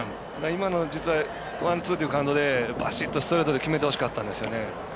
今のワンツーというカウントでバシッとストレートで決めてほしかったんですね。